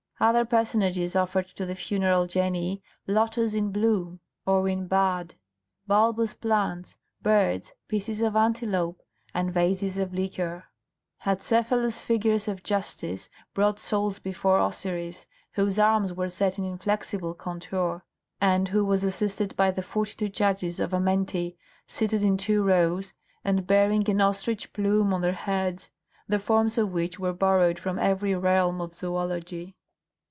Other personages offered to the funeral genii lotus in bloom or in bud, bulbous plants, birds, pieces of antelope, and vases of liquors. Acephalous figures of Justice brought souls before Osiris, whose arms were set in inflexible contour, and who was assisted by the forty two judges of Amenti, seated in two rows and bearing an ostrich plume on their heads, the forms of which were borrowed from every realm of zoölogy.